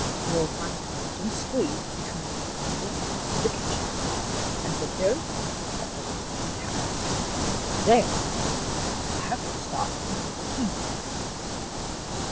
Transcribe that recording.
You will find the dungeon squeezed between the drawing room and the kitchen, at the very top of the left hand tower. There you will have to stop until the King comes."